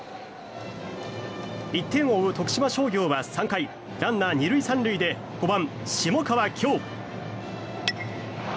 １点を追う徳島商業は３回ランナー２塁３塁で５番、下川鏡。